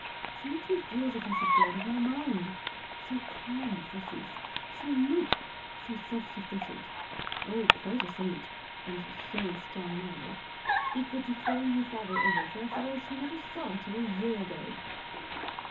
She makes me feel as if I should go out of my mind! so calm, forsooth! so meek! so self sufficient! oh, quite a saint! and so strong minded! equal to throwing her father over for a fellow she never saw till a year ago!"